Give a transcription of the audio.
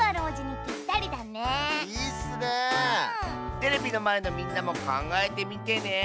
テレビのまえのみんなもかんがえてみてね。